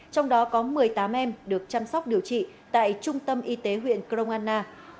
trong đó có một mươi tám em được chăm sóc điều trị tại trung tâm y tế huyện crong anna